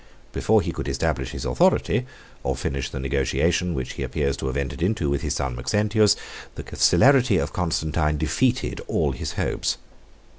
Before he could establish his authority, or finish the negotiation which he appears to have entered into with his son Maxentius, the celerity of Constantine defeated all his hopes.